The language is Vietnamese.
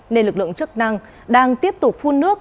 nên lực lượng chức năng đang tiếp tục phun nước